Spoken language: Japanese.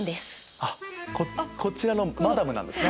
こちらのマダムなんですね。